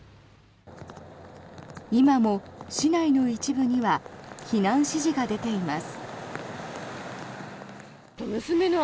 今も市内の一部には避難指示が出ています。